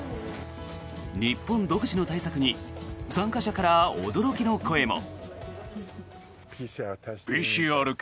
日本独自の対策に参加者から驚きの声も。